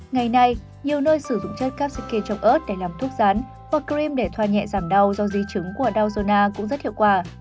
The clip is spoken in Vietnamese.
ngày nay nhiều nơi sử dụng chất capsicum trong ớt để làm thuốc gián hoặc cream để thoa nhẹ giảm đau do di trứng của đau zona cũng rất hiệu quả